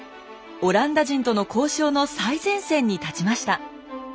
オランダ人との交渉の最前線に立ちました。